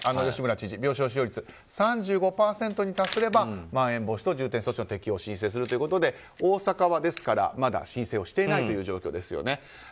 吉村知事、病床使用率が３５％に達すればまん延防止等重点措置の適用を申請するということでですから大阪はまだ申請をしていない状況です。